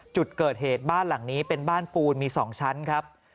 จุดเกิดเหตุบ้านหลังนี้เป็นบ้านปูนมี๒ชั้นครับ